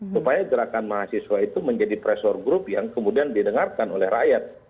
supaya gerakan mahasiswa itu menjadi pressure group yang kemudian didengarkan oleh rakyat